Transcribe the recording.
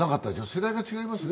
世代が違いますね？